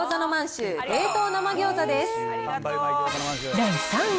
第３位。